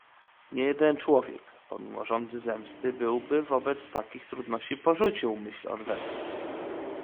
"Niejeden człowiek, pomimo żądzy zemsty, byłby wobec takich trudności porzucił myśl odwetu."